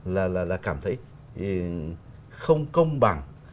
là cảm thấy không công bằng